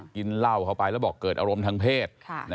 กินเหล้าเข้าไปแล้วบอกเกิดอารมณ์ทางเพศ